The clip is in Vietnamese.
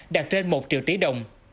đạt trên một triệu tỷ đồng